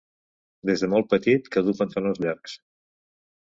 Des de molt petit que duu pantalons llargs.